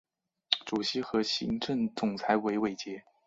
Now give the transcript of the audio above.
主席和行政总裁为韦杰。